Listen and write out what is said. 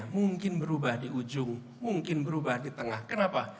mungkin berubah di ujung mungkin berubah di tengah kenapa